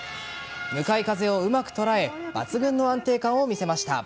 向かい風をうまく捉え抜群の安定感を見せました。